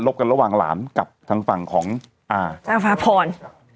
ลบกันระหว่างหลามของทางฝั่งของของทางฝาพร